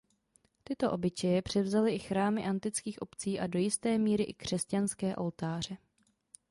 Tyto obyčeje převzaly i chrámy antických obcí a do jisté míry i křesťanské oltáře.